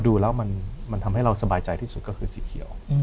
ดูแล้วมันทำให้เราสบายใจที่สุดก็คือสีเขียว